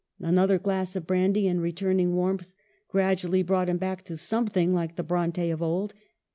Another glass of brandy, and returning warmth gradually brought him back to something like the Bronte of old.